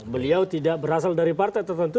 beliau tidak berasal dari partai tertentu